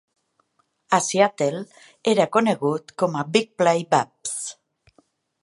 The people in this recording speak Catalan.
A Seattle, era conegut com "Big Play Babs".